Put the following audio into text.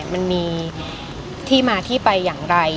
มันมีที่มาที่ไปอย่างไร